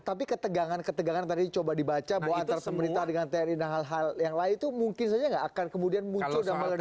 tapi ketegangan ketegangan tadi coba dibaca bahwa antara pemerintah dengan tni dan hal hal yang lain itu mungkin saja nggak akan kemudian muncul dan meledak